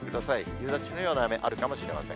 夕立のような雨あるかもしれません。